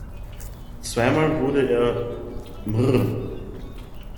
Zweimal wurde er „Mr.